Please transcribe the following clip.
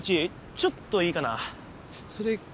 ちょっといいかな？